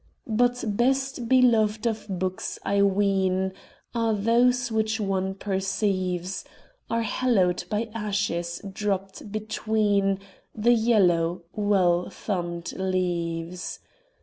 But best beloved of books, I ween, Are those which one perceives Are hallowed by ashes dropped between The yellow, well thumbed leaves.